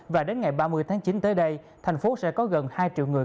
và đến ngày ba mươi tháng chín tới đây tp hcm sẽ có gần hai triệu người